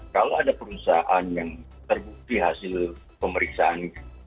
kalau ada perusahaan yang terbukti hasil pemeriksaan itu